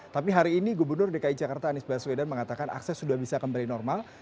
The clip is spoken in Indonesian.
tapi hari ini gubernur dki jakarta anies baswedan mengatakan akses sudah bisa kembali normal